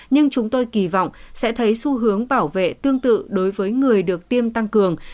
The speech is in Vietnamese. nhưng chúng tôi kỳ vọng sẽ thấy xu hướng bảo vệ tương tự đối với người được tiêm tăng cường